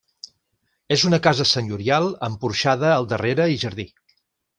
És una casa senyorial amb porxada al darrere i jardí.